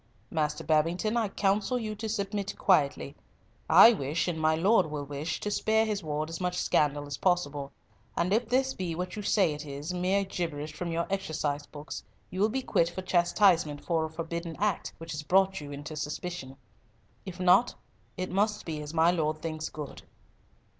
Master Babington, I counsel you to submit quietly. I wish, and my Lord will wish, to spare his ward as much scandal as possible, and if this be what you say it is, mere gibberish from your exercise books, you will be quit for chastisement for a forbidden act, which has brought you into suspicion. If not, it must be as my Lord thinks good."